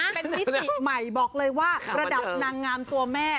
เป็นมิติใหม่บอกเลยว่าระดับนางงามตัวแม่